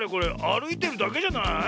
あるいてるだけじゃない？